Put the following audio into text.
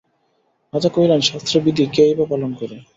রাজা কহিলেন, শাস্ত্রে বিধি কেই বা পালন করে।